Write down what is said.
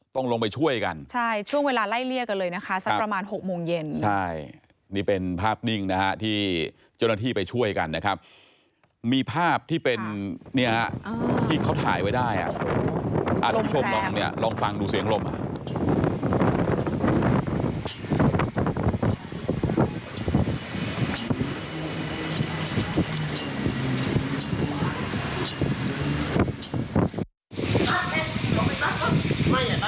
ต้องลงไปช่วยกันใช่ช่วงเวลาไล่เลี่ยกันเลยนะคะสักประมาณหกโมงเย็นใช่นี่เป็นภาพนิ่งนะฮะที่เจ้าหน้าที่ไปช่วยกันนะครับมีภาพที่เป็นเนี่ยที่เขาถ่ายไว้ได้อ่ะทุกผู้ชมลองเนี่ยลองฟังดูเสียงลมอ่ะ